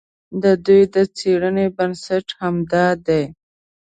د دوی د څېړنې بنسټ همدا دی.